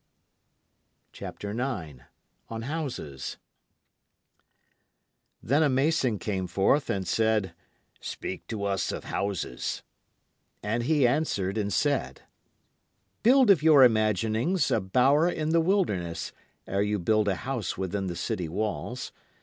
Then a mason came forth and said, Speak to us of Houses. And he answered and said: Build of your imaginings a bower in the wilderness ere you build a house within the city walls.